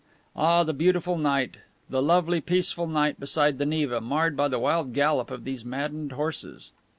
Ah, the beautiful night, the lovely, peaceful night beside the Neva, marred by the wild gallop of these maddened horses!